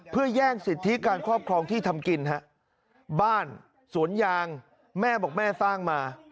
เพื่อแย่งสิทธิการครอบครองที่ทำกินฮะบ้านสวนยางแม่บอกแม่สร้างมา